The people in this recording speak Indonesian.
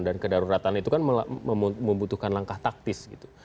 dan kedaruratan itu kan membutuhkan langkah taktis gitu